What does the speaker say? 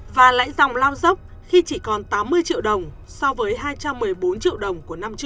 và lãi dòng lao dốc khi chỉ còn tám mươi triệu đồng so với hai trăm một mươi bốn triệu đồng